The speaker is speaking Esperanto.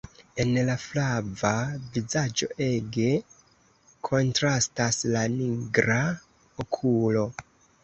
En la flava vizaĝo ege kontrastas la nigra okulo.